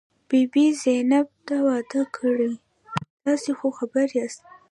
بي بي زينت، تا واده کړی؟ تاسې خو خبر یاست.